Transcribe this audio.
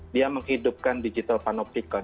dia menghidupkan digital panopticon